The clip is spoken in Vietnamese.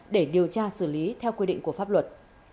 để điều tra xử lý theo quy định của pháp luật